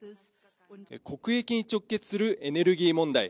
国益に直結するエネルギー問題。